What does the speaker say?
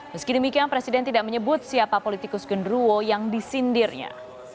meski demikian presiden tidak menyebut siapa politikus genruo yang disindirnya